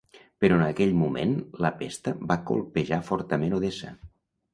Però en aquell moment la pesta va colpejar fortament Odessa.